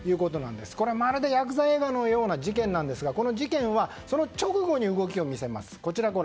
これ、まるでやくざ映画のような事件なんですが事件はその直後に動きを見せます。